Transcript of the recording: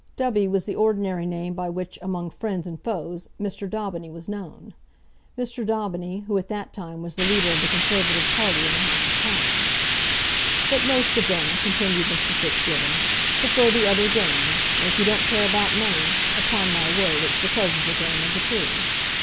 Dubby was the ordinary name by which, among friends and foes, Mr. Daubeny was known: Mr. Daubeny, who at that time was the leader of the Conservative party in the House of Commons. "But most of them," continued Mr. Fitzgibbon, "prefer the other game, and if you don't care about money, upon my word it's the pleasanter game of the two."